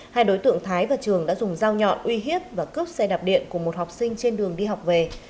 hai đối tượng thái và trường đã dùng dao nhọn uy hiếp và cướp xe đạp điện của một học sinh trên đường đi học về